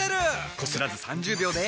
こすらず３０秒で。